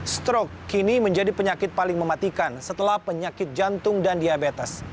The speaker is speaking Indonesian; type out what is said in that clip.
strok kini menjadi penyakit paling mematikan setelah penyakit jantung dan diabetes